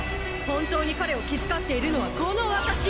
本当に彼を気遣っているのはこの私！